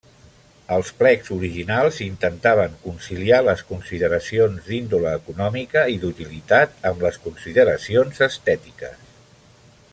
Els plecs originals intentaven conciliar les consideracions d'índole econòmica i d'utilitat, amb les consideracions estètiques.